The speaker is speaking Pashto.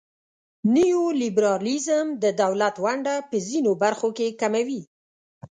نیولیبرالیزم د دولت ونډه په ځینو برخو کې کموي.